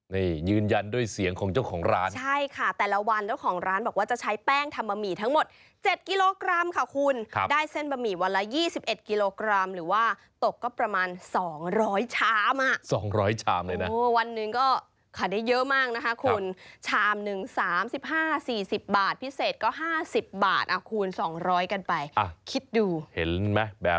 แต่ว่าถ้าหมดแล้วก็หมดเลยนะคะส่วนมากลูกค้าก็จะชอบแล้วก็บางคนก็โทรมาจองนะคะ